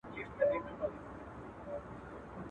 تا به د پی مخو صدقې ته زړه راوړی وي.